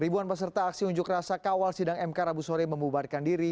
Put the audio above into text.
ribuan peserta aksi unjuk rasa kawal sidang mk rabu sore membubarkan diri